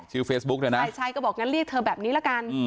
ชื่อเฟซบุ๊กเถอะนะใช่ใช่ก็บอกงั้นเรียกเธอแบบนี้ละกัน